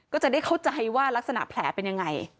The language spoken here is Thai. ก็จะได้เข้าใจว่ารักษณะแผลเป็นยังไง